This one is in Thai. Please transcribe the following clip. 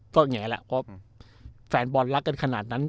ก็แหงแหละเพราะแฟนบอลรักกันขนาดนั้น